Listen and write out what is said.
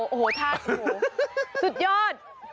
โอ้โฮท่าโอ้โฮสุดยอด